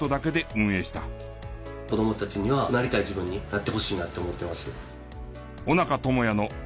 子供たちにはなりたい自分になってほしいなと思ってます。